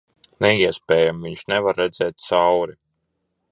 Neiespējami. Viņš nevar redzēt cauri...